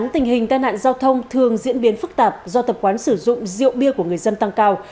tình hình tai nạn giao thông thường diễn biến phức tạp do tập quán sử dụng rượu bia của người dân tăng cao